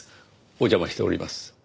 お邪魔しております。